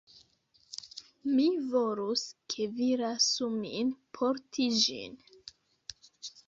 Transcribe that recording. Mi volus, ke vi lasu min porti ĝin.